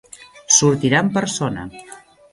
Sortirà en persona.